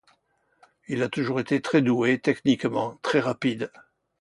Il a toujours été très doué techniquement, très rapide.